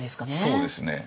そうですね。